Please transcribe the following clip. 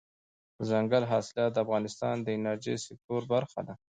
دځنګل حاصلات د افغانستان د انرژۍ سکتور برخه ده.